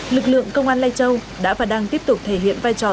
lực lượng công an lây châu đã và đang tiếp tục thể hiện vai trò